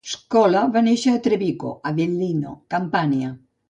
Scola va néixer a Trevico, Avellino, Campania.